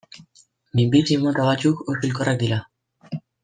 Minbizi mota batzuk oso hilkorrak dira.